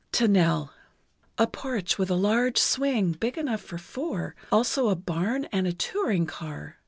To Nell: ... A porch with a large swing (big enough for four), also a barn, and a touring car.